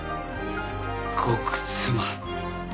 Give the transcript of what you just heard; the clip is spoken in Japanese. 極妻。